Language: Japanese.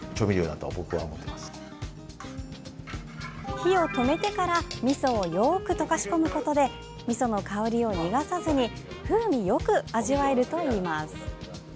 火を止めてからみそをよく溶かし込むことでみその香りを逃がさずに風味よく味わえるといいます。